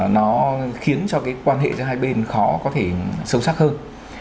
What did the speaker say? nó khiến cho cái quan hệ giữa hai bên khó có thể sâu sắc hơn